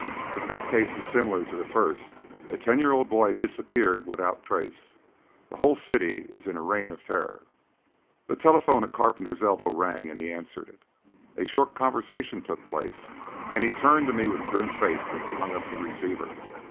The fifth case is similar to the first: a ten year old boy disappeared without trace. The whole city is in a reign of terror." The telephone at Carpenter's elbow rang and he answered it. A short conversation took place and he turned to me with a grim face as he hung up the receiver.